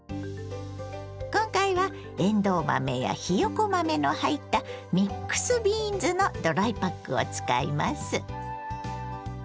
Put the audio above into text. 今回はえんどう豆やひよこ豆の入ったミックスビーンズのドライパックを使います。